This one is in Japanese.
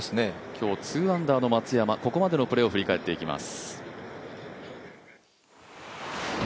今日２アンダーの松山、ここまでのプレーを振り返っていきます。